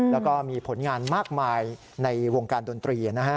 แล้วก็มีผลงานมากมายในวงการดนตรีนะฮะ